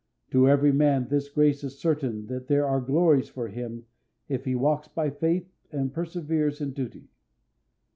To every man this grace is certain that there are glories for him if he walks by faith and perseveres in duty.